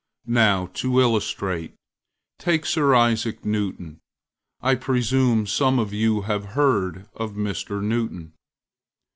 Now, to illustrate, take Sir Isaac NewtonâI presume some of you have heard of Mr. Newton.